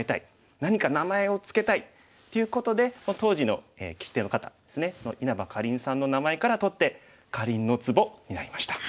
何か名前を付けたいっていうことで当時の聞き手の方ですね稲葉かりんさんの名前から取ってかりんのツボになりました。